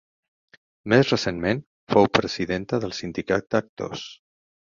Més recentment, fou presidenta del Sindicat d'Actors.